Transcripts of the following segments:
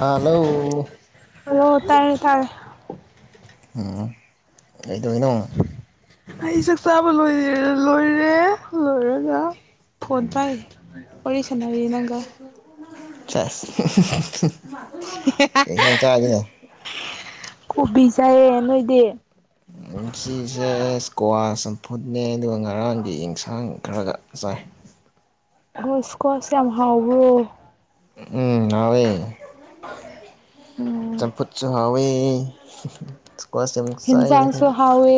Hello hello ꯇꯥꯔꯦ ꯇꯥꯔꯦ ꯎꯝ ꯀꯩꯗꯩꯅꯣ ꯑꯩ [unintelligible] ꯂꯣꯏꯔꯦ ꯂꯣꯏꯔꯒ ꯐꯣꯟ ꯄꯥꯏ ꯋꯥꯔꯤ ꯁꯟꯅꯔꯤ ꯅꯪꯒ ꯆꯁ ꯀꯩ ꯏꯟꯁꯥꯡ ꯆꯥꯒꯦ ꯀꯨꯕꯤ ꯆꯥꯏꯌꯦ ꯅꯣꯏꯗꯤ ꯀ꯭ꯋꯥ ꯆꯝꯐꯨꯠꯅꯦ ꯑꯗꯨꯒ ꯉꯔꯥꯡꯒꯤ ꯑꯦꯟꯁꯥꯡ ꯈꯔꯒ ꯆꯥꯏ ꯒꯨꯁꯀꯣꯁ‌ꯦ ꯌꯥꯝ ꯍꯥꯎꯕ꯭ꯔꯣ ꯎꯝ ꯍꯥꯎꯋꯦ ꯎꯝ ꯆꯝꯐꯨꯠꯁꯨ ꯍꯥꯎꯋꯦ ꯏꯁꯀ꯭ꯋꯥꯁ ꯌꯥꯝ ꯆꯥꯏ ꯍꯤꯟꯖꯥꯡꯁꯨ ꯑꯩꯈꯣꯏꯗꯤ ꯍꯥꯎꯋꯦ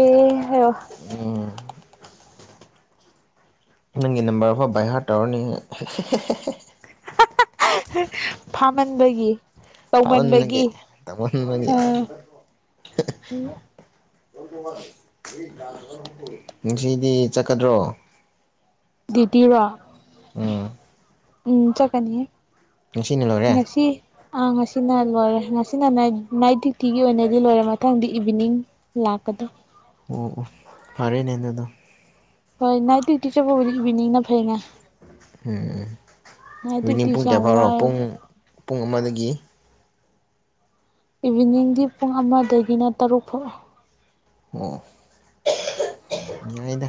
ꯅꯪꯒꯤ ꯅꯝꯕꯔꯐꯥꯎ ꯕꯥꯏꯍꯥꯔꯠ ꯇꯧꯔꯅꯤ ꯍꯦ ꯐꯥꯃꯟꯕꯒꯤ ꯐꯃꯟꯕꯒꯤ ꯇꯧꯃꯟꯕꯒꯤ ꯊꯧꯃꯟꯕꯒꯤ ꯇꯧꯃꯟꯕꯒꯤ ꯉꯁꯤꯗꯤ ꯆꯠꯀꯗ꯭ꯔꯣ ꯗ꯭ꯋꯨꯇꯤꯔꯣ ꯎꯝ ꯎꯝ ꯆꯠꯀꯅꯤ ꯉꯁꯤꯅ ꯂꯣꯏꯔꯦ ꯉꯁꯤ ꯑꯥ ꯉꯁꯤꯅ ꯂꯣꯏꯔꯦ ꯉꯁꯤꯅ ꯅꯥꯏꯠ ꯅꯥꯏꯠ ꯗ꯭ꯌꯨꯇꯤꯒꯤ ꯑꯣꯏꯅꯗꯤ ꯂꯣꯏꯔꯦ ꯃꯊꯪꯗꯤ ꯏꯚꯤꯅꯤꯡ ꯂꯥꯛꯀꯗ ꯑꯣ ꯑꯣ ꯐꯔꯦꯅꯦ ꯑꯗꯨꯗꯣ ꯍꯣꯏ ꯅꯥꯏꯠ ꯗ꯭ꯨꯌꯇꯤ ꯆꯠꯕꯕꯨꯗꯤ ꯏꯚꯤꯅꯤꯡꯅ ꯐꯩꯅꯦ ꯎꯝ ꯅꯥꯏꯠ ꯏꯚꯤꯅꯤꯡ ꯄꯨꯡ ꯗ꯭ꯌꯨꯇꯤꯁꯦ ꯀꯌꯥ ꯌꯥꯝ ꯐꯥꯎꯔꯣ ꯄꯨꯡ ꯋꯥꯏꯑꯦꯕ ꯄꯨꯡ ꯑꯃꯗꯒꯤ ꯏꯚꯤꯅꯤꯡꯗꯤ ꯄꯨꯡ ꯑꯃꯗꯒꯤꯅ ꯇꯔꯨꯛ ꯐꯧ ꯎꯝ ꯌꯥꯏꯗ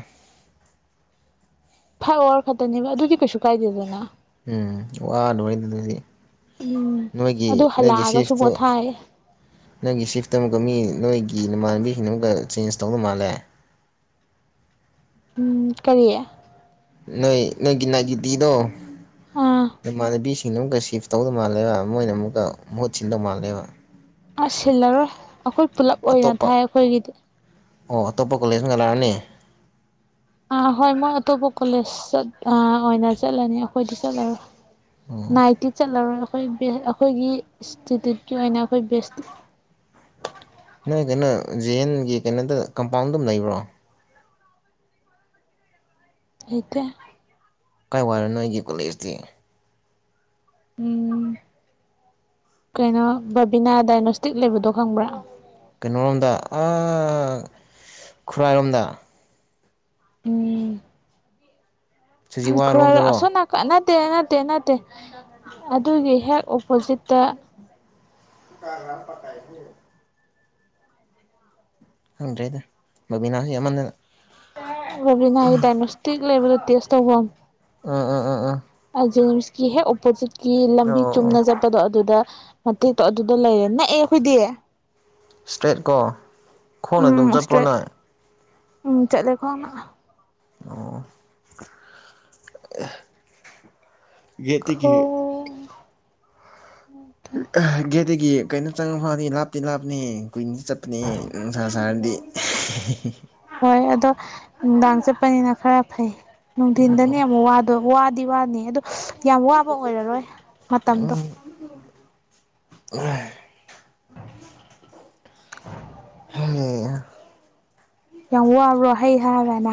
ꯐꯥꯏꯕ ꯑꯋꯥꯔ ꯈꯛꯇꯅꯦꯕ ꯑꯗꯨꯗꯤ ꯀꯩꯁꯨ ꯀꯥꯏꯗꯦꯗꯅ ꯎꯝ ꯋꯥꯔꫭꯏꯗꯤ ꯑꯗꯨꯗ ꯗꯤ ꯎꯝ ꯅꯣꯏꯒꯤ ꯑꯗꯨ ꯅꯪꯒꯤ ꯍꯜꯂꯛꯑꯒꯁꯨ ꯁꯤꯐꯇ ꯄꯣꯊꯥꯏ ꯅꫭꯏꯒꯤ ꯁꯤꯐꯇ ꯑꯃꯨꯛꯀ ꯃꯤ ꯅꯣꯏꯒꯤ ꯒꯤ ꯅꯃꯥꯟꯅꯕꯤꯁꯤꯡꯗ ꯑꯃꯒ ꯆꯦꯟꯖ ꯇꯧꯅꯥ ꯃꯥꯜꯂꯦ ꯎꯝ ꯀꯔꯤꯌꯦ ꯅꯣꯏ ꯅꯪꯒꯤ ꯒꯤꯇꯗꯣ ꯑꯥ ꯅꯃꯥꯟ ꯅꯕꯤꯁ ꯁꯤꯡꯅ ꯑꯃꯨꯛꯀ ꯁꯤꯐ ꯇꯧꯒꯗꯧ ꯃꯥꯜꯂꯦꯕ ꯃꯣꯏꯅ ꯑꯃꯨꯛꯀ ꯃꯍꯨꯠ ꯁꯤꯟꯗꯧ ꯃꯥꯜꯂꯦꯕ ꯑꯁ ꯁꯤꯜꯂꯔꯣꯏ ꯑꯩꯈꯣꯏ ꯄꯨꯂꯞ ꯑꯣꯏꯅ ꯊꯥꯏ ꯑꯇꯣꯞꯄ ꯑꯩꯈꯣꯏꯒꯤꯗꯤ ꯑꯣ ꯑꯇꯣꯞꯄ ꯀꯣꯂꯦꯖ ꯑꯃꯗ ꯂꯥꯛꯑꯅꯤ ꯑꯥ ꯍꯣꯏ ꯃꯣꯏ ꯑꯇꯣꯞꯄ ꯀꯣꯂꯦꯖ ꯑꯥ ꯑꯣꯏꯅ ꯆꯠꯂꯅꯤ ꯑꯈꯣꯏꯗꯤ ꯆꯠꯂꯔꯣꯏ ꯑꯣ ꯅꯥꯏꯠꯇꯤ ꯆꯠꯂꯔꫭꯏꯗ ꯑꯩꯈꯣꯏꯕ ꯑꯩꯈꯣꯏꯒꯤ [unintelligible] ꯏꯟꯁꯇꯤꯇ꯭ꯌꯨꯠꯀꯤ ꯑꯣꯏꯅ ꯑꯩꯈꯣꯏ ꯕꯦꯁꯇꯤ ꯅꫭꯏ ꯀꯩꯅꯣ ꯖ ꯑꯦꯟꯒꯤ ꯀꯩꯅꯣꯗ ꯀꯝꯄꯥꯎꯟꯗꯝ ꯂꯩꯕ꯭ꯔꯣ ꯂꯩꯇ‌ꯦ ꯀꯥꯏ ꯋꯥꯏꯔꯅꯣ ꯑꯩꯒꯤ ꯀꯣꯂꯦꯖꯇꯤ ꯎꯝ ꯀꯩꯅꯣ ꯕꯕꯤꯅꯥ ꯗꯥꯏꯅꯣꯁꯇꯤꯛ ꯂꯩꯕꯗꯣ ꯈꯪꯕ꯭ꯔꯥ ꯀꯩꯅꯣꯣꯔꯣꯝꯗ ꯈꯨꯔꯥꯏꯔꯣꯝꯗ ꯎ ꯎ ꯁꯨꯖꯤꯋꯥ ꯈꯔ ꯔꯣꯝꯗꯔꯣ ꯑꯁꯅꯅꯥꯅꯥ ꯅꯠꯇꯦ ꯅꯠꯇꯦ ꯅꯠꯇꯦ ꯑꯗꯨꯒꯤ ꯍꯦꯛ ꯑꯣꯄꯣꯖꯤꯠꯇ ꯀꯅꯥ ꯄꯇꯥꯏ ꯐ ꯈꯪꯗ꯭ꯔꯦꯗ ꯕꯕꯤꯅꯥꯁꯨ ꯑꯃꯅꯤꯟꯗꯅ ꯔꯣꯕꯤꯅ ꯍꯥꯏꯗꯅꯣꯇꯤꯒ ꯂꯩꯕꯠꯇꯁ ꯇꯧꯕꯣꯟ ꯎꯝ ꯎꯝ ꯎꯝ ꯎꯥ ꯀ ꯍꯦꯛ ꯑꯣꯄꯣꯖꯤꯠꯀꯤ ꯂꯝꯕꯤ ꯑꯣ ꯆꯨꯝꯅ ꯆꯠꯄꯗꯣ ꯑꯗꯨꯗ ꯅꯦꯛꯇꯣ ꯑꯗꯨꯗ ꯂꯩꯔꯦ ꯅ ꯑꯦ ꯑꯩꯈꯣꯏꯗꯤ ꯏꯁꯇ꯭ꯔꯦꯠ ꯀꯣ ꯈꯣꯡꯅ ꯑꯗꯨꯝ ꯆꯠꯄ꯭ꯔꯣ ꯅꯣꯏ ꯆꯠꯂꯀ ꯑꯣ ꯈ ꯒꯦꯠꯇꯒꯤꯦ ꯀꯩꯅꯣ ꯆꯪꯉ ꯐꯅꯤ ꯂꯥꯞꯇꯤ ꯂꯥꯞꯅꯤ ꯀꯨꯏꯅꯗ ꯆꯠꯄꯅꯦ ꯅꯨꯡꯁꯥ ꯁꯥꯔꯗꯤ ꯍꯣꯏ ꯑꯗꯣ ꯅꯨꯡꯗꯥꯡ ꯆꯠꯄꯅꯤꯅ ꯈꯔ ꯐꯩ ꯅꯨꯡꯊꯤꯟꯗꯅꯤ ꯑꯃꯨꯛ ꯋꯥꯗꯣꯏ ꯗꯤ ꯋꯥꯅꯤ ꯑꯗꯨꯗ ꯌꯥꯝ ꯋꯥꯕ ꯑꯣꯏꯔꯔꯣꯏ ꯃꯇꯝꯗꯣ ꯎ ꯃ ꯌꯥꯝ ꯋꯥꯕꯔꯣ ꯍꯩ ꯍꯥꯏꯔꯅ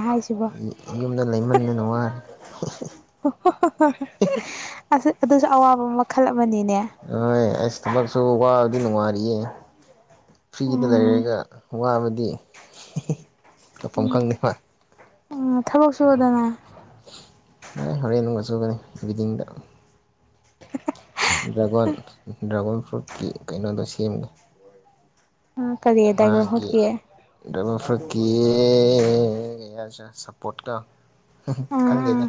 ꯌꯨꯝꯗ ꯂꯩꯃꯟꯕ ꯅꯨꯡꯉꯥꯏ ꯑ ꯑꯗꯨꯁꯨ ꯑꯋꯥꯕ ꯑꯃ ꯃꯈꯜꯂ ꯑ ꯑꯁꯇꯃꯁꯨ ꯋꯥꯗꯤ ꯅꯨꯅꯨꯡ ꯃꯥꯔꯤꯌꯦ ꯐ꯭ꯔꯤꯗ ꯎꯝ ꯂꯩꯔꯒ ꯋꯥꯕꯗꯤ ꯇꯥꯛꯐꯝ ꯈꯪꯅꯤ ꯋꯥ ꯎꯝ ꯊꯕꯛ ꯁꯨꯕꯗꯅ ꯍꯣꯔꯦꯟ ꯑꯗꯨꯅꯨꯡꯉꯆꯨꯒꯅꯤ ꯤꯗꯤꯡꯗ [unintelligible] ꯗ꯭ꯔꯒꯣꯟ ꯗ꯭ꯔꯥꯒꯣꯟ ꯐ꯭ꯔꯨꯠꯀꯤ ꯀꯩꯅꯣꯗꯣ ꯁꯦꯝꯒꯦ ꯀꯔꯤ ꯗꯥꯏꯒꯔ ꯃꯥꯒꯤ ꯍꯨꯠꯀꯤ ꯗꯃ ꯐ꯭ꯔꯨ ꯀꯁ ꯁꯄꯣꯔꯠꯀ ꯎꯝ ꯈꯪꯗꯦꯗꯥ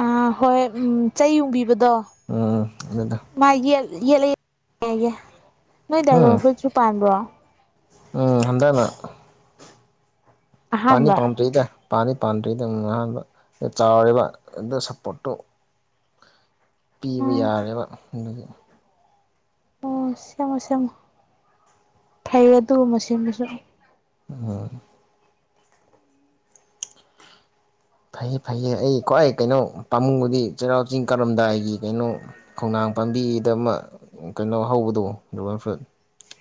ꯑ ꯍꯣꯏ ꯎꯝ ꯆꯩ ꯌꯨꯡꯕꯤꯕꯗꯣ ꯎꯝ ꯑꯗꯨꯗ ꯃꯥ ꯌꯦꯠ ꯌꯦꯠꯂꯒ ꯌꯥ ꯅꯣꯏ ꯎꯝ ꯗ꯭ꯔꯥꯒꯣꯟ ꯐ꯭ꯔꯨꯠꯁꯨ ꯄꯥꯟꯕ꯭ꯔꯣ ꯎꯝ ꯍꯟꯗꯛꯅꯥ ꯄꯥꯟꯗꯤ ꯑꯍꯥꯟꯕ ꯄꯟꯗꯔ꯭ꯤꯗ ꯄꯥꯗꯤ ꯄꯥꯟꯗ꯭ꯔꯤꯗꯪ ꯑꯍꯥꯟꯕ ꯆꯥꯎꯔꯦꯕ ꯑꯗꯨ ꯁꯞꯄꯣꯔꯠꯇꯨ ꯄꯤꯕ ꯎꯝ ꯌꯥꯔꯦꯕ ꯑꯗꯨꯒꯤ ꯑꯣ ꯁꯦꯝꯃꯣ ꯁꯦꯝꯃꯣ ꯐꯩꯌꯦ ꯑꯗꯨꯒꯨꯝꯕ ꯁꯦꯝꯕꯥꯁꯨ ꯑꯣ ꯐꯩꯌꯦ ꯐꯩꯌꯦ ꯑꯩ ꯈ꯭ꯋꯥꯏ ꯀꯩꯅꯣ ꯄꯥꯝꯃꯨꯕꯗꯤ ꯆꯩꯔꯥꯎ ꯆꯤꯡ ꯀꯥꯔꯝꯗꯥꯏꯒꯤ ꯀꯩꯅꯣ ꯈꯣꯡꯅꯥꯡ ꯄꯥꯝꯕꯤꯗ ꯑꯃ ꯀꯩꯅꯣ ꯍꯧꯕꯗꯣ ꯗ꯭ꯔꯒꯟ ꯐ꯭ꯔꯨꯏꯠ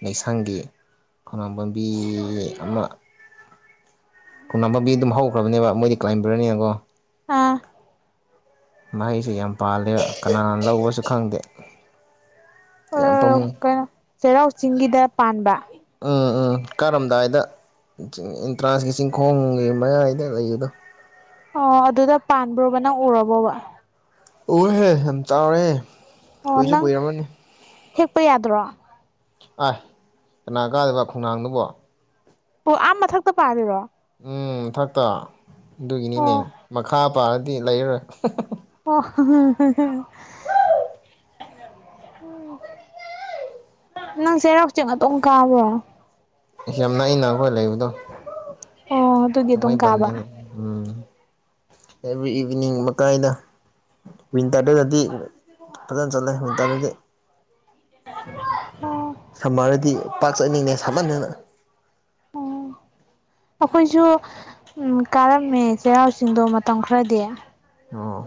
ꯂꯩꯩꯁꯪꯒꯤ ꯈꯣꯡꯅꯥꯎ ꯄꯥꯝꯕꯤ ꯑꯃ ꯈꯣꯡꯅꯥꯡ ꯄꯥꯝꯕꯤ ꯑꯗꯨꯝ ꯍꯧꯈ꯭ꯔꯕꯅꯦꯕ ꯃꯣꯏꯗꯤ ꯀ꯭ꯂꯥꯏꯕꯔꯅꯤꯅꯥꯀꯣ ꯑꯥ ꯃꯍꯩꯁꯨ ꯌꯥꯝ ꯄꯥꯜꯂꯦꯕ ꯀꯅꯥ ꯂꯧꯕꯁꯨ ꯈꯪꯗꯦ ꯌꯥꯝ ꯑꯥ ꯄꯥꯝꯃꯨꯏ ꯀꯩꯅꯣ ꯆꯩꯔꯥꯎ ꯆꯤꯡꯒꯤꯗ ꯄꯥꯟꯕ ꯑꯥ ꯑꯥ ꯀꯥꯔꯝꯗꯥꯏꯗ ꯑꯦꯟꯇ꯭ꯔꯥꯟꯁꯀꯤ ꯆꯤꯡꯈꯣꯡꯒꯤ ꯃꯌꯥꯏꯗ ꯂꯩꯕꯗꯣ ꯑꯣ ꯑꯗꯨꯗ ꯄꯥꯟꯕ꯭ꯔꯣꯕ ꯅꯪ ꯎꯔꯕꯣꯕ ꯎꯌꯦꯍꯦ ꯌꯥꯝ ꯆꯥꯎꯔꯦ ꯑꯣ ꯀꯨꯏꯁꯨ ꯅꯪ ꯀꯨꯏꯔꯝꯃꯅꯤ ꯍꯦꯛꯄ ꯌꯥꯗ꯭ꯔꯣ ꯑ ꯀꯅꯥ ꯀꯥꯗꯣꯏꯕ ꯈꯣꯡꯅꯥꯡꯗꯨꯕꯣ ꯑꯣ ꯑꯥ ꯃꯊꯛꯇ ꯄꯥꯔꯤꯔꯣ ꯎꯝ ꯃꯊꯛꯇ ꯑꯣ ꯑꯗꯨꯒꯤꯅꯤꯅꯦ ꯃꯈꯥ ꯄꯜꯂꯥꯗꯤ ꯂꯩꯔꯔꯣꯏ ꯑꯣ ꯅꯪ ꯆꯩꯔꯥꯎ ꯆꯤꯡ ꯑꯗꯝ ꯀꯥꯕ꯭ꯔꯣ ꯌꯥꯝ ꯅꯛꯏꯅꯥ ꯑꯩꯈꯣꯏ ꯂꯩꯕꯗꯣ ꯑꯣ ꯑꯗꯨꯒꯤ ꯑꯗꯨꯝ ꯊꯪꯃꯩꯕꯥꯟ ꯀꯥꯕ ꯅꯤꯅꯥ ꯎꯝ ꯑꯦꯚ꯭ꯔꯤ ꯏꯚꯤꯅꯤꯡ ꯒꯨꯝꯕ ꯀꯥꯏꯗ ꯋꯤꯟꯇꯔꯗꯗꯤ ꯐꯖꯅ ꯆꯠꯂꯦ ꯋꯤꯟꯇꯔꯗꯗꯤ ꯑꯣ ꯁꯃꯔꯗꯤ ꯄꯥꯛ ꯆꯠꯅꯤꯡꯗꯦ ꯁꯃꯟꯗꯅ ꯑꯩꯈꯣꯏꯁꯨ ꯀꯥꯔꯝꯃꯦ ꯆꯩꯔꯥꯎ ꯆꯤꯡꯗꯣ ꯃꯇꯝ ꯈꯔꯗꯤ ꯑꯣ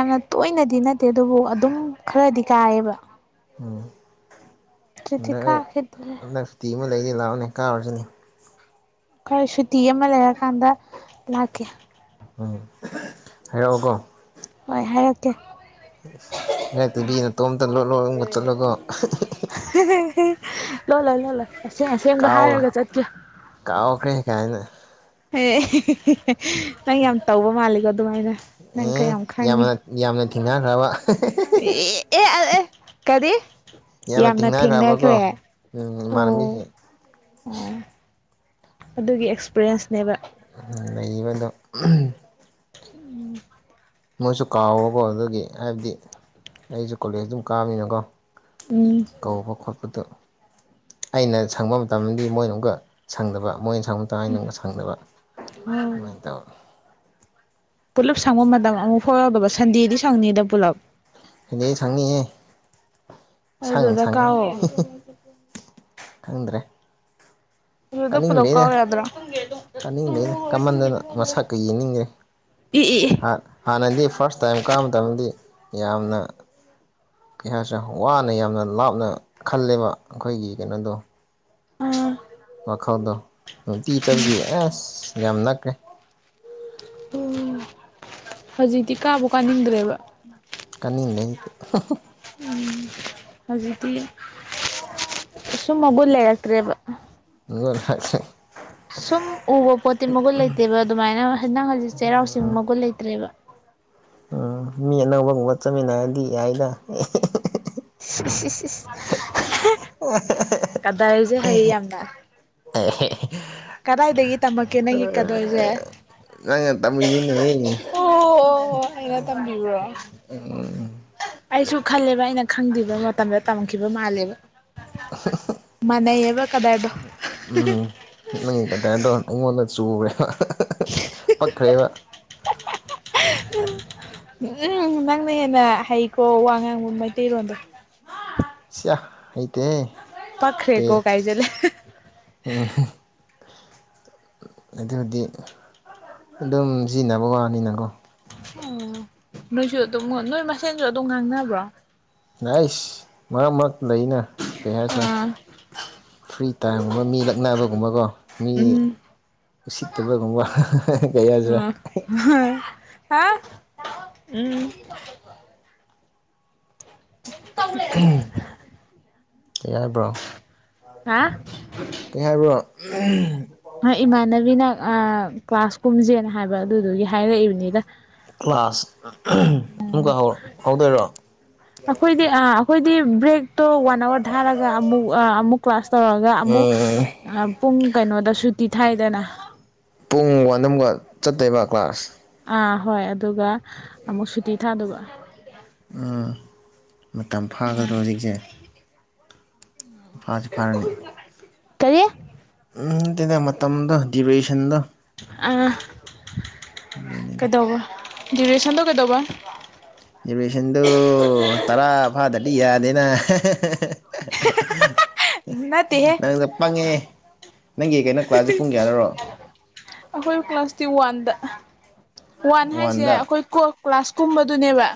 ꯌꯥꯝꯅ ꯇꯣꯏꯅꯗꯤ ꯅꯠꯇꯦ ꯑꯗꯨꯕꯨ ꯑꯗꯨꯝ ꯈꯔꯗꯤ ꯀꯥꯏꯌꯦꯕ ꯎꯝ ꯍꯧꯖꯤꯛꯇꯤ ꯍꯟꯗꯛ ꯑꯩ ꯀꯥꯈꯤꯗ꯭ꯔꯦ ꯍꯟꯗꯛ ꯁꯨꯇꯤ ꯑꯃ ꯂꯩꯅꯤ ꯂꯥꯛꯑꯣꯅꯦ ꯀꯥꯔꯨꯁꯤꯅꯦ ꯑꯩꯈꯣꯏ ꯁꯨꯇꯤ ꯑꯃ ꯂꯩꯔꯀꯥꯟꯗ ꯂꯥꯛꯀꯦ ꯎꯝ ꯍꯥꯏꯔꯛꯑꯣꯀꯣ ꯍꯣꯏ ꯍꯥꯏꯔꯛꯀꯦ ꯉꯛꯇꯕꯤꯅꯇꯣꯝꯇ ꯂꯣꯠ ꯂꯣꯠꯂꯒ ꯆꯠꯂꯒꯣ ꯂꯣꯠꯂꯣꯏ ꯂꯣꯠꯂꯣꯏ꯫ ꯑꯁꯦꯡ ꯑꯁꯦꯡꯕ ꯀꯥꯎ ꯍꯥꯏꯔꯒ ꯆꯠꯀꯦ ꯀꯥꯎꯈ꯭ꯔꯦ ꯀꯥꯏꯅ ꯑꯦ ꯅꯪ ꯌꯥꯝ ꯇꯧꯕ ꯃꯥꯜꯂꯦꯀꯣ ꯑꯗꯨꯃꯥꯏꯅ ꯅꯪ ꯈꯔꯥ ꯎꯝ ꯌꯥꯝ ꯈꯪꯉꯤ ꯌꯥꯝꯅ ꯌꯥꯝꯅ ꯊꯦꯡꯅꯈ꯭ꯔꯕ ꯑꯦ ꯑꯦ ꯑꯦ ꯀꯔꯤ ꯌꯥꯝꯅ ꯊꯦꯡꯅꯈ꯭ꯔꯦ ꯊꯦꯡꯅꯈ꯭ꯔꯕꯀꯣ ꯎꯝ ꯑꯣ ꯏꯃꯥꯟꯅꯕꯤꯁꯤꯡ ꯑꯣ ꯑꯗꯨꯒꯤ ꯑꯦꯛꯁꯄꯤꯔꯤꯌꯦꯟꯁꯅꯦꯕ ꯂꯩꯕꯗꯣ ꯎꯝ ꯃꯣꯏꯁꯨ ꯀꯥꯎꯕꯀꯣ ꯑꯗꯨꯒꯤ ꯍꯥꯏꯕꯗꯤ ꯑꯩꯁꯨ ꯀꯣꯂꯦꯖ ꯑꯗꯨꯝ ꯀꯥꯕꯅꯤꯅꯥ ꯀꯣ ꯎꯝ ꯄꯣꯠꯇꯣ ꯑꯩꯅ ꯁꯪꯕ ꯃꯇꯝꯗꯤ ꯃꯣꯏꯅ ꯑꯃꯨꯛꯀ ꯁꯪꯗꯕ ꯃꯣꯏ ꯁꯊꯪ ꯇꯥꯏꯅꯒ ꯁꯪꯗꯅꯕ ꯑꯗꯨꯃꯥꯏꯅ ꯇꯧꯋ ꯄꯨꯜꯂꯞ ꯁꯪꯕ ꯃꯇꯝ ꯑꯃꯨꯛ ꯐꯥꯎꯗꯕ ꯁꯟꯗꯦꯗꯤ ꯁꯪꯅꯤꯗ ꯄꯨꯜꯂꯞ ꯑꯗꯨꯗꯤ ꯊꯪꯅꯤꯌꯦ ꯁꯥꯡ ꯑꯗꯨꯗ ꯊꯉꯦ ꯀꯥꯎꯋꯣ [unintelligible] ꯈꯪꯗ꯭ꯔꯦ ꯑꯗꯨꯗ ꯄꯨꯂꯞ ꯇꯥꯅꯤꯡꯗꯦꯅꯦ ꯀꯥꯎ ꯌꯥꯗ꯭ꯔꯣ ꯀꯥꯅꯤꯡꯗꯅꯦ ꯀꯃꯟꯗꯅ ꯃꯁꯛꯀ ꯌꯦꯡꯅꯤꯡꯗꯦ ꯏ ꯏ ꯍꯥꯟꯅꯗꯤ ꯐꯥꯔꯁ ꯇꯥꯏꯝ ꯀꯥꯕ ꯃꯇꯝꯗꯗꯤ ꯌꯥꯝꯅ ꯀꯩ ꯍꯥꯏꯔꯁꯦ ꯋꯥꯅ ꯌꯥꯝꯅ ꯂꯥꯞꯅ ꯈꯜꯂꯦꯕ ꯑꯩꯈꯣꯏꯒꯤ ꯀꯩꯅꯣꯗꯣ ꯎꯝ ꯋꯥꯈꯧꯗꯣ ꯅꯨꯡꯇꯤ ꯆꯕꯒꯤ ꯑꯁ ꯌꯥꯝ ꯅꯛꯈ꯭ꯔꯦ ꯎꯝ ꯍꯧꯖꯤꯛꯇꯤ ꯀꯥꯕꯨ ꯀꯥꯅꯤꯡꯗ꯭ꯔꯦꯕ ꯀꯥꯅꯤꯡ ꯂꯩꯩꯗꯤ [inaudible] ꯁꯨꯝꯃꯒꯨꯜ ꯂꯩꯔꯛꯇ꯭ꯔꯦꯕ ꯑꯗꯨ ꯍꯥꯏ [unintelligible] ꯁꯨꯝ ꯎꯕ ꯄꯣꯠꯇꯤ ꯃꯒꯨꯟ ꯂꯩꯇꯦꯕ ꯑꯗꯨꯃꯥꯏꯅ ꯅꯪ ꯍꯧꯖꯤꯛ ꯆꯩꯔꯥꯎꯁꯤꯡꯤꯡ ꯃꯒꯨꯟ ꯂꯩꯇ꯭ꯔꯦꯕ ꯎꯝ ꯃꯤ ꯑꯅꯧꯕꯒꯨꯝꯕ ꯆꯠꯃꯤꯟꯅꯔꯗꯤ ꯌꯥꯏꯅ ꯀꯗꯔꯁꯦ ꯍꯩ ꯌꯥꯝꯅ ꯑꯦ ꯀꯗꯥꯏꯗꯗꯒꯤ ꯇꯃꯛꯀꯦ ꯅꯪꯏ ꯀꯗꯔꯁꯦ ꯉꯪ ꯇꯝꯅꯤꯅꯦ ꯑꯣ ꯑꯩꯅ ꯇꯝꯕꯤꯕ꯭ꯔꯣ ꯎꯝ ꯑꯩꯁꯨ ꯈꯜꯂꯦꯕ ꯑꯩꯅ ꯈꯪꯗ꯭ꯕ ꯃꯇꯝꯗ ꯇꯝꯈꯤꯕ ꯃꯥꯜꯂꯦꯕ ꯃꯅꯩꯑꯕ ꯀꯗꯔꯗꯣ ꯎꯝ ꯅꯪꯒꯤ ꯀꯗꯗ꯭ꯔꯣ ꯑꯩꯉꯣꯟꯗ ꯆꯨꯔꯦꯕ ꯄꯛꯈ꯭ꯔꯦꯕ ꯎꯝ ꯅꯪꯅ ꯍꯦꯟꯅ ꯍꯩꯀꯣ ꯋꯥ ꯉꯥꯡꯕ ꯃꯩꯇꯩꯔꯣꯟꯗꯣ ꯁꯤꯌꯥ ꯍꯩꯇꯦ ꯄꯥꯛꯈ꯭ꯔꯦꯀꯣ ꯍꯥꯏꯖꯂꯦ ꯑꯗꯨꯕꯨꯗꯤ ꯑꯗꯨꯝ ꯁꯤꯖꯤꯟꯅꯕ ꯋꯥꯅꯤꯅꯀꯣ ꯎꯝ ꯅꯣꯏꯁꯨ ꯑꯗꯨꯝ ꯅꯣꯏ ꯃꯁꯦꯟꯁꯨ ꯑꯗꯨꯝ ꯉꯥꯡꯅꯕ꯭ꯔꯣ ꯥꯏꯁ ꯃꯔꯛ ꯃꯔꯛ ꯂꯩꯅ ꯀꯩ ꯍꯥꯏꯁꯤꯔ ꯑꯥ ꯐ꯭ꯔꯤꯠ ꯇꯥꯒꯨꯝꯕ [inaudible] ꯃꯤ ꯂꯛꯅꯕꯒꯨꯝꯕꯀꯣ ꯃꯤ ꯎꯝ ꯎꯁꯤꯠꯇꯕꯒꯨꯝꯕ ꯀꯩ ꯌꯥꯗ꯭ꯔꯥ ꯍꯥꯥ ꯎꯝ ꯍꯒꯕ꯭ꯔꯣ [unintelligible] ꯍꯥ ꯀꯩ ꯍꯥꯏꯕ꯭ꯔꯣ ꯏꯃꯥꯟꯅꯕꯤꯅ ꯀ꯭ꯂꯥꯁ ꯀꯨꯝꯁꯦꯅ ꯍꯥꯏꯕ ꯑꯗꯨꯗꯨꯒꯤ ꯍꯥꯏꯔꯛꯏꯕꯅꯤꯗ ꯀ꯭ꯂꯥꯁ ꯑꯃꯨꯛꯀ ꯍꯧꯗꯣꯏꯔꯣ ꯑꯩꯈꯣꯏꯗꯤ ꯑ ꯑꯩꯈꯣꯏꯗꯤ ꯕ꯭ꯔꯦꯛ ꯇꯣ ꯋꯥꯟ ꯑꯋꯥꯔ ꯊꯥꯔꯒ ꯑꯃꯨꯛ ꯑꯃꯨꯛ ꯀ꯭ꯂꯥꯁ ꯑꯃꯨꯛ ꯇꯧꯔꯒ ꯑꯃꯨꯛ ꯎꯝ ꯄꯨꯡ ꯀꯩꯅꯣꯗꯁꯨ ꯇꯤꯊꯥꯏꯗꯅ ꯄꯨꯡ ꯋꯥꯗꯝꯒ ꯆꯠꯇꯣꯏꯕ ꯀ꯭ꯂꯥꯁ ꯑꯥ ꯍꯣꯏ ꯑꯗꯨꯒ ꯑꯃꯨꯛ ꯁꯨꯇꯤ ꯊꯥꯗꯣꯕ ꯎꯝ ꯃꯇꯝ ꯐꯥꯒꯗ꯭ꯔꯣ ꯍꯧꯖꯤꯛꯁꯦ ꯐꯁꯤ ꯐꯔꯅꯤ ꯀꯔꯤ ꯎ ꯇꯅ [inaudible] ꯃꯇꯝꯗ ꯗꯤꯔꯦꯁꯟꯗ ꯑꯗꯨꯅꯤꯗ ꯀꯗꯧꯕ ꯗꯤꯔꯦꯁꯟꯗ ꯀꯗꯧꯕ ꯔꯤꯖꯚꯦꯁꯟꯗꯨ ꯇꯔꯥ ꯐꯥꯗꯗꯤ ꯌꯥꯗꯦꯅ ꯅꯠꯇꯦꯍꯦ ꯅꯪꯅ ꯄꯪꯉꯦ ꯅꯪꯒꯤ ꯀꯩꯅꯣ ꯀ꯭ꯂꯥꯁꯁꯦ ꯄꯨꯡ ꯀꯌꯥꯗꯔꯣ ꯑꯩꯈꯣꯏ ꯀ꯭ꯂꯥꯁꯇꯤ ꯋꯥꯟꯗ꯫ ꯋꯥꯟ ꯍꯥꯏꯁꯦ ꯋꯥꯟꯗ ꯑꯩꯈꯣꯏ [unintelligible] ꯀ꯭ꯂꯥꯁ ꯀꯨꯝꯕꯗꯨꯅꯦꯕ꯫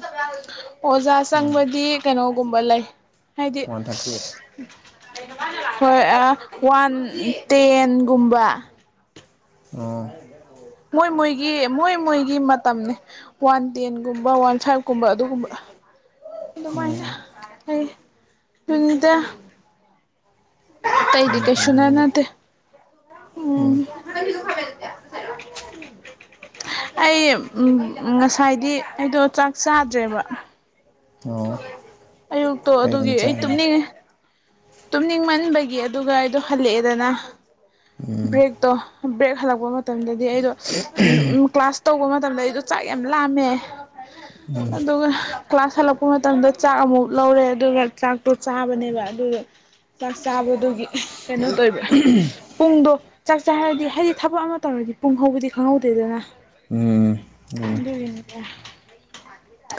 ꯑꯣꯖꯥ ꯎꯝ ꯆꯪꯕꯗꯤ ꯀꯩꯅꯣꯒꯨꯝꯕ ꯂꯩ ꯍꯥꯏꯗꯤ꯫ ꯋꯥꯟ ꯊꯥꯔꯇꯤ ꯍꯣꯏ ꯋꯥꯟ ꯇꯦꯟꯒꯨꯝꯕ꯫ ꯑꯣ꯫ ꯃꯣꯏ ꯃꯣꯏꯒꯤ ꯃꯣꯏ ꯃꯣꯏꯒꯤ ꯃꯇꯝꯅꯤ ꯋꯥꯟ ꯇꯦꯟꯒꯨꯝꯕ ꯋꯥꯟ ꯁꯨꯋꯥꯏꯒꯨꯝꯕ ꯑꯗꯨꯒꯨꯝꯕ꯫ [unintelligible] ꯑꯗꯨꯗꯃꯥꯏ ꯎꯝ ꯑꯩ ꯗꯨꯅꯤꯗ꯫ ꯇꯩꯗꯤ ꯌꯥꯝ ꯐꯩꯅꯦ ꯀꯩꯁꯨꯅ ꯑꯗꯨꯗꯤ ꯅꯠꯇ ꯎꯝ꯫ ꯑꯩ ꯎꯝ꯫ ꯎꯝ ꯉꯁꯥꯏꯗꯤ ꯑꯩꯗꯣ ꯆꯥꯛ ꯆꯥꯗ꯭ꯔꯦꯕ꯫ ꯑꯣ ꯑꯌꯨꯛꯇꯣ ꯀꯩ ꯑꯗꯨꯒꯤ ꯑꯣꯏꯅ ꯑꯩ ꯆꯥꯔꯦ ꯇꯨꯝꯅꯤꯡꯉꯦ꯫ ꯇꯨꯝꯅꯤꯡꯃꯟꯕꯒꯤ ꯑꯗꯨꯒ ꯑꯩꯗꯣ ꯍꯜꯂꯛꯑꯦꯗꯅ ꯎꯝ ꯕ꯭ꯔꯦꯛꯇꯣ ꯕ꯭ꯔꯦꯛ ꯍꯜꯂꯛꯄ ꯃꯇꯝꯗꯗꯤ ꯑꯩꯗꯣ ꯀ꯭ꯂꯥꯁ ꯇꯧꯕ ꯃꯇꯝꯗ ꯑꯩꯗꯣ ꯆꯥꯛ ꯌꯥꯝ ꯂꯥꯝꯃꯦ꯫ ꯑꯗꯨꯒ ꯀ꯭ꯂꯥꯁ ꯍꯜꯂꯛꯄ ꯃꯇꯝꯗ ꯆꯥꯛ ꯑꯃꯨꯛ ꯂꯧꯔꯦ ꯑꯗꯨꯒ ꯆꯥꯛꯇꯣ ꯆꯥꯕꯅꯦꯕ ꯑꯗꯨꯒ ꯆꯥꯛ ꯆꯥꯕꯗꯨꯒꯤ ꯀꯩꯅꯣ ꯇꯧꯑꯦꯕ ꯄꯨꯡꯗꯣ꯫ ꯆꯥꯛ ꯆꯥꯔꯗꯤ ꯍꯥꯏꯗꯤ ꯊꯕꯛ ꯑꯃ ꯇꯧꯔꯗꯤ ꯄꯨꯡ ꯍꯧꯕꯗꯤ ꯈꯪꯍꯧꯗꯦꯗꯅ꯫ ꯎꯝ ꯑꯗꯨꯅꯦ ꯑꯗꯨꯒꯤꯅꯤꯗ꯫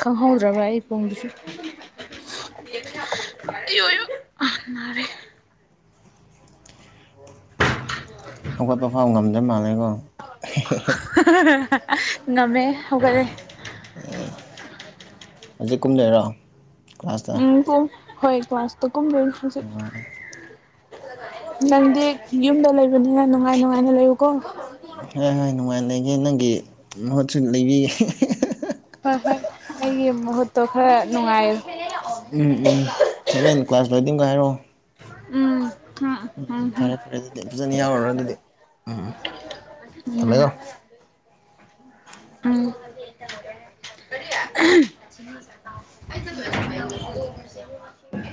ꯈꯪꯍꯧꯗꯔꯥꯕ ꯑꯩ ꯄꯨꯡꯗꯨꯁꯨ꯫ [unintelligible] ꯍꯧꯒꯠꯄ ꯐꯥꯎ ꯉꯝꯗ ꯃꯥꯜꯂꯦꯀꯣ꯫ ꯑꯁ ꯉꯝꯃꯦꯍꯦ ꯍꯧꯒꯂꯦ꯫ ꯑꯦ ꯍꯧꯖꯤꯛ ꯀꯨꯝ ꯗꯣꯏ꯫ ꯎꯝ ꯄꯨꯡ ꯍꯣꯏ ꯀꯜꯁꯇꯨ ꯀꯨꯝꯗꯣꯏꯅꯤ ꯍꯧꯖꯤ꯫ ꯅꯪꯗꯤ ꯌꯨꯝꯗ ꯂꯩꯕꯅꯤꯅ ꯅꯨꯡꯉꯥꯏ ꯅꯨꯡꯉꯥꯏꯅ ꯂꯩꯌꯨꯀꯣ꯫ ꯍꯣꯏ ꯍꯣꯏ ꯅꯨꯡꯉꯥꯏ ꯂꯩꯒꯦ ꯅꯪꯒꯤ ꯃꯍꯨꯠꯁꯨ ꯂꯩꯕꯤꯒꯦ꯫ ꯍꯣꯏ ꯍꯣꯏ ꯑꯩꯒꯤ ꯃꯍꯨꯠꯇꯣ ꯈꯔ ꯅꯨꯡꯉꯥꯏꯌꯨ꯫ ꯎꯝ ꯎꯝ ꯍꯣꯔꯦꯟ [unintelligible] ꯎꯝ꯫ ꯎꯝ ꯐꯔꯦ ꯐꯔꯦ ꯑꯗꯨꯗꯤ ꯐꯖꯅ ꯌꯥꯎꯔꯨꯔꯣ ꯑꯗꯨꯗꯤ ꯎꯝ꯫ ꯎꯝ꯫ ꯎꯝ꯫ [inaudible] [unintelligible]